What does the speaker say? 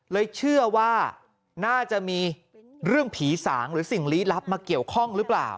เชื่อว่าน่าจะมีเรื่องผีสางหรือสิ่งลี้ลับมาเกี่ยวข้องหรือเปล่า